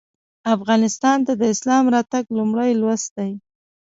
افغانستان ته د اسلام راتګ لومړی لوست دی.